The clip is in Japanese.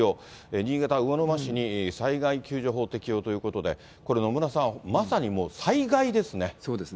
新潟・魚沼市に災害救助法適用ということで、これ、そうですね。